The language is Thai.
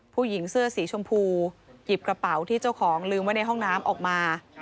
ผู้หญิงเสื้อสีชมพูหยิบกระเป๋าที่เจ้าของลืมไว้ในห้องน้ำออกมา